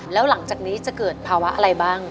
แล้วหลังจากนี้จะเกิดภาวะอะไรบ้าง